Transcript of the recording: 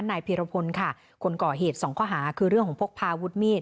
นายพีรพลค่ะคนก่อเหตุสองข้อหาคือเรื่องของพกพาวุฒิมีด